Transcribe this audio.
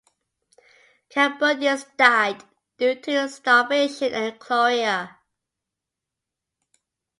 Cambodians died due to starvation and cholera.